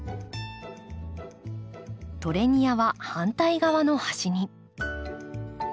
トレニアは反対側の端に。